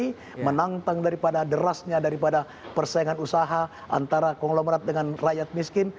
ini menantang daripada derasnya daripada persaingan usaha antara konglomerat dengan rakyat miskin